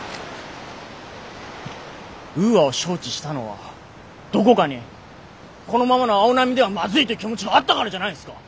ウーアを招致したのはどこかにこのままの青波ではまずいという気持ちがあったからじゃないんですか。